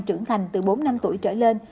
trưởng thành từ bốn năm tuổi trở lên